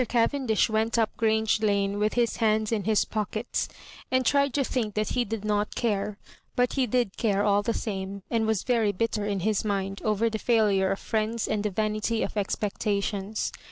Cavendish went up Grange Lane with his hands in his pockets, and tried to think that he did not care ; but he did care all the same, and was very bitter in his mind over the failure of friends and the vanity of expectations.